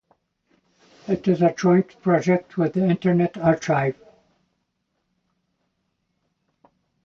It is a joint project with the Internet Archive.